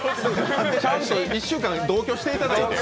ちゃんと１週間、同居していただいて。